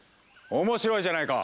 面白いじゃないか！